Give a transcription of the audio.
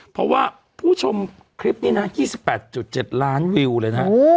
เพราะว่าผู้ชมคลิปนี้นะ๒๘๗ล้านวิวเลยนะ